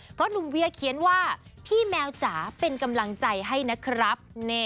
เพราะหนุ่มเวียเขียนว่าพี่แมวจ๋าเป็นกำลังใจให้นะครับ